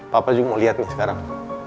papa juga mau lihat nih sekarang